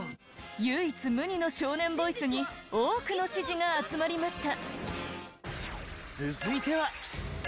唯一無二の少年ボイスに多くの支持が集まりました。